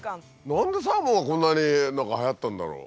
何でサーモンはこんなにはやったんだろう。